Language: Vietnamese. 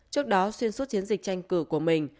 trước đó xuyên suốt chiến dịch tranh cử của mình